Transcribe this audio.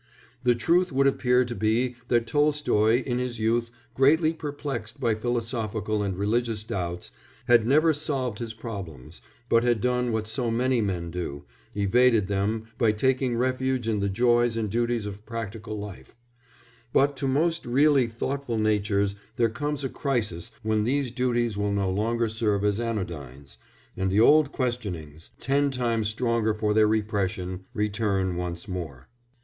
The truth would appear to be that Tolstoy, in his youth greatly perplexed by philosophical and religious doubts, had never solved his problems, but had done what so many men do evaded them by taking refuge in the joys and duties of practical life; but to most really thoughtful natures there comes a crisis when these duties will no longer serve as anodynes, and the old questionings, ten times stronger for their repression, return once more.